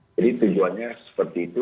jadi tujuannya seperti itu